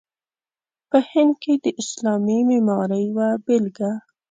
په هند کې د اسلامي معمارۍ یوه بېلګه.